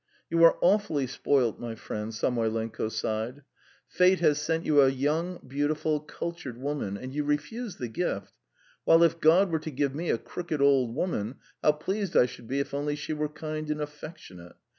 "You are awfully spoilt, my friend!" Samoylenko sighed. "Fate has sent you a young, beautiful, cultured woman, and you refuse the gift, while if God were to give me a crooked old woman, how pleased I should be if only she were kind and affectionate!